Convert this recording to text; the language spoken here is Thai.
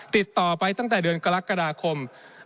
ติดต่อไปตั้งแต่เดือนกรกฎาคม